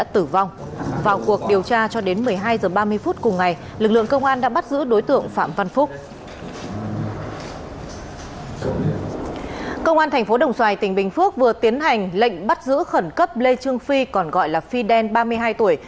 thành phố đồng xoài tỉnh bình phước vừa tiến hành lệnh bắt giữ khẩn cấp lê trương phi còn gọi là phi đen ba mươi hai tuổi